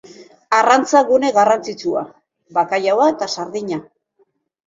Arrantza-gune garrantzitsua: bakailaoa eta sardina.